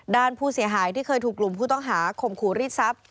ด้านผู้เสียหายที่เคยถูกกลุ่มผู้ต้องหาข่มขู่รีดทรัพย